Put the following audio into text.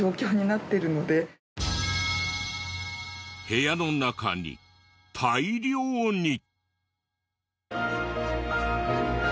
部屋の中に大量に。